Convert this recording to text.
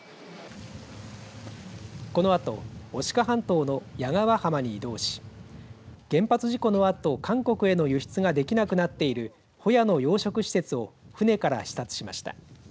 このあと牡鹿半島の谷川浜に移動し原発事故のあと、韓国への輸出ができなくなっているホヤの養殖施設を船から視察しました。